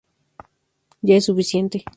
Ya es suficiente".